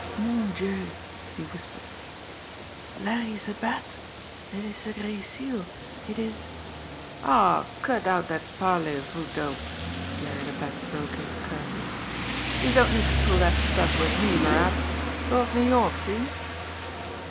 "Mon Dieu!" he whispered. "Larree ze Bat! It is ze Gray Seal! It is " "Aw, cut out dat parlay voo dope!" Larry the Bat broke in curtly. "Youse don't need ter pull dat stuff wid me, Virat. Talk New York, see?"